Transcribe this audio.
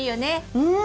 うん！